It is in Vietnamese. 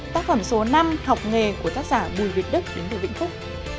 tác phẩm số năm học nghề của tác giả bùi việt đức đến từ vĩnh phúc